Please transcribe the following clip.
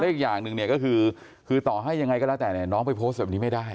แล้วอีกอย่างหนึ่งก็คือคือต่อให้ยังไงก็แล้วแต่น้องไปโพสต์แบบนี้ไม่ได้